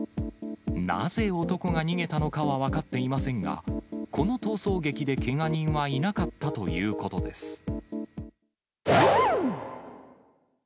なぜ男が逃げたのかは分かっていませんが、この逃走劇で、けが人はいなかったということです。